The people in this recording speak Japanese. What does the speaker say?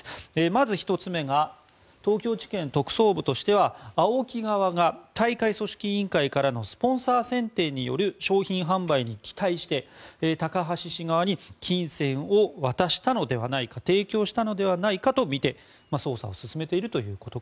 まず１つ目が東京地検特捜部としてはＡＯＫＩ側が大会組織委員からのスポンサー選定による商品販売に期待して高橋氏側に金銭を渡したのではないか提供したのではないかとみて捜査を進めているということ。